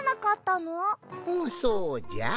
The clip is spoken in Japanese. うんそうじゃ。